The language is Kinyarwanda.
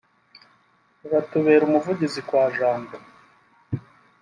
uratubere umuvugizi kwa jambo